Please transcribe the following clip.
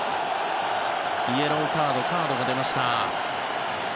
イエローカードが出ました。